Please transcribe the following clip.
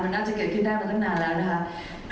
มันน่าจะเกิดขึ้นได้มาตั้งนานแล้วนะคะ